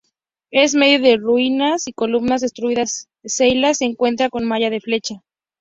En medio de ruinas y columnas destruidas, Seiya se encuentra con Maya de Flecha.